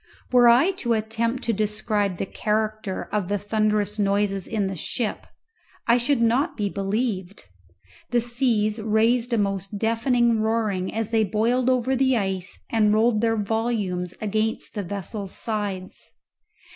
Were I to attempt to describe the character of the thunderous noises in the ship I should not be believed. The seas raised a most deafening roaring as they boiled over the ice and rolled their volumes against the vessel's sides.